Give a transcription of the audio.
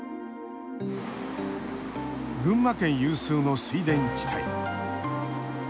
群馬県有数の水田地帯。